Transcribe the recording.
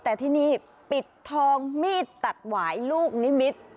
แต่ที่นี่ปิดทองมีดตัดหวายลูกนิมิตร